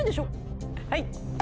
はい！